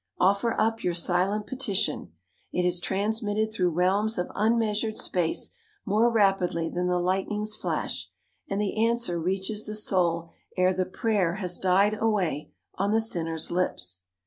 Offer up your silent petition. It is transmitted through realms of unmeasured space more rapidly than the lightning's flash, and the answer reaches the soul e're the prayer has died away on the sinner's lips.